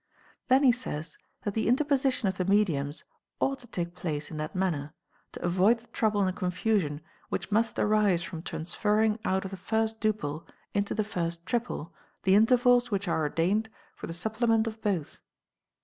Then he says, that the interposition of the mediums ought to take place in that manner, to avoid the trouble and confusion which must arise from transferring out of the first duple into the first triple the intervals which are ordained for the supplement of both.